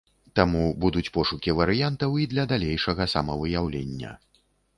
Таму будуць пошукі варыянтаў і для далейшага самавыяўлення.